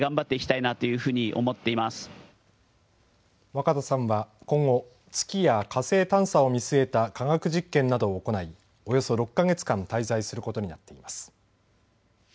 若田さんは今後、月や火星探査を見据えた科学実験などを行いおよそ６か月間滞在することになっています。